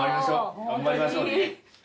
頑張りましょうね。